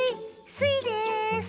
スイです！